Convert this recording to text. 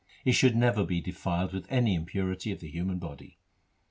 It should never be defiled with any impurity of the human body.